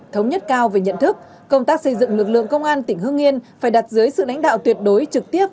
thống nhất cao về nhận thức công tác xây dựng lực lượng công an tỉnh hương yên phải đặt dưới sự lãnh đạo tuyệt đối trực tiếp